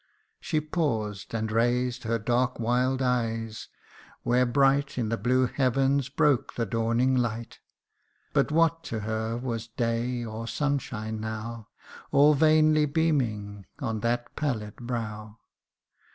" She paused and raised her dark wild eyes, where bright In the blue heavens broke the dawning light 44 THE UNDYING ONE. But what to her was day or sunshine now, All vainly beaming on that pallid brow